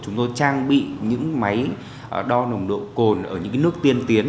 chúng tôi trang bị những máy đo nồng độ cồn ở những nước tiên tiến